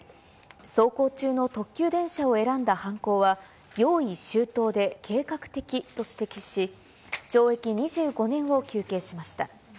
走行中の特急電車を選んだ犯行は用意周到で計画的と指摘し、懲役２５年を求刑しました。